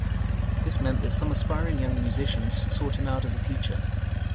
This meant that some aspiring young musicians sought him out as a teacher.